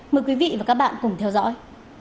mời quý vị và các bạn cùng theo dõi